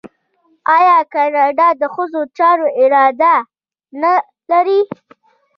آیا کاناډا د ښځو چارو اداره نلري؟